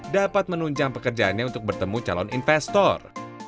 dapat menunjang pekerjaannya untuk bertemu calon investor